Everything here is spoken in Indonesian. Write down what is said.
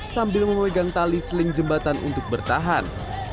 sambil memegang tali seling jembatan untuk bertahan